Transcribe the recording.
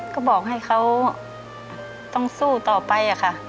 ก็บอกให้เขาต้องสู้ต่อไปค่ะ